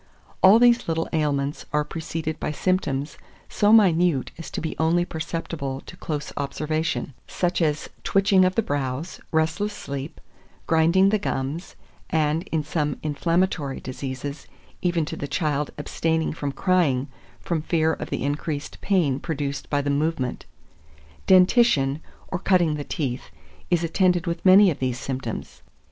All these little ailments are preceded by symptoms so minute as to be only perceptible to close observation; such as twitching of the brows, restless sleep, grinding the gums, and, in some inflammatory diseases, even to the child abstaining from crying, from fear of the increased pain produced by the movement. Dentition, or cutting the teeth, is attended with many of these symptoms.